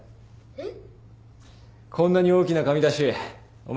えっ？